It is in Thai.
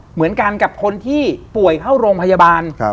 เหมือนกันกับคนที่ป่วยเข้าโรงพยาบาล